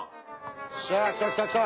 しゃ来た来た来た！